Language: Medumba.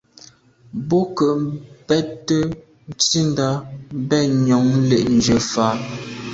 Be ke mbé’te nsindà ben njon lé’njù fa.